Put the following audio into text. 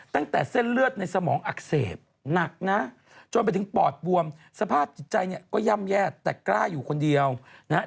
ตั้งแต่เส้นเลือดในสมองอักเสบหนักนะจนไปถึงปอดบวมสภาพจิตใจเนี่ยก็ย่ำแย่แต่กล้าอยู่คนเดียวนะฮะ